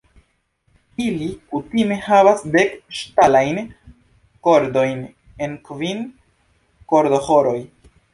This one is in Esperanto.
Ili kutime havas dek ŝtalajn kordojn en kvin kordoĥoroj.